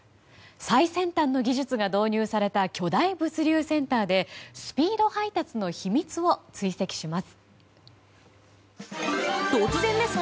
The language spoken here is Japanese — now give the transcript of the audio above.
最先端の技術が導入された巨大物流センターでスピード配達の秘密を追跡します。